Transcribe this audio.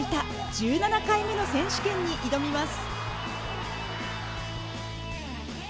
１７回目の選手権に挑みます。